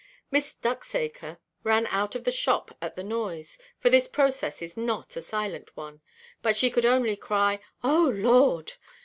Miss Ducksacre ran out of the shop at the noise—for this process is not a silent one; but she could only cry, "Oh, Lord!"